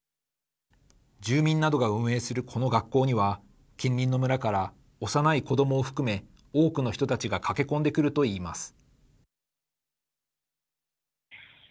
住民などが運営するこの学校には近隣の村から幼い子どもを含め多くの人たちが駆け込んでくるといいます。